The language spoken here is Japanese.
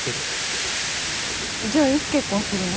じゃあいつ結婚するの？